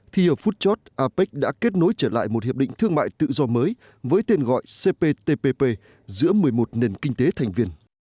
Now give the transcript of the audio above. thì ở phút chót apec đã kết nối trở lại một hiệp định thương mại tự do mới với tên gọi cptpp giữa một mươi một nền kinh tế thành viên